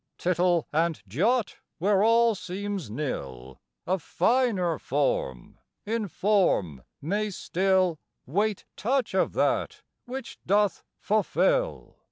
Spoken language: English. Tittle and jot, where all seems nil, A finer form in form may still Wait touch of that which doth fulfil.